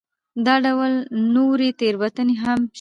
دا ډول نورې تېروتنې هم شته.